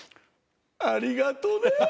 ありがとうね。